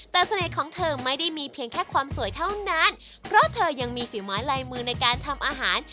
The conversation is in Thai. แต่เสน่ห์ของเธอไม่ได้มีเพียงแค่ความสวยเท่านั้นเพราะเธอยังมีฝีไม้ลายมือในการทำอาหาร